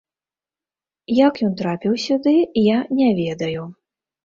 Як ён трапіў сюды, я не ведаю.